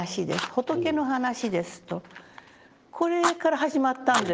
仏の話です」とこれから始まったんですね。